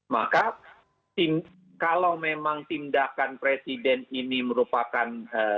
maka kalau memang tindakan presiden ini merupakan